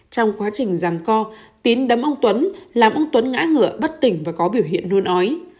trong quá trình giảng co tín đấm ông tuấn làm ông tuấn ngã ngựa bất tỉnh và có biểu hiện nôn ói